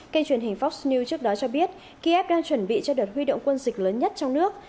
kênh truyền hình fox news trước đó cho biết kiev đang chuẩn bị cho đợt huy động quân dịch lớn nhất trong nước